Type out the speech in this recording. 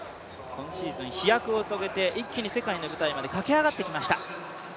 今シーズン飛躍を遂げて一気に世界の舞台まで駆け上がってきました。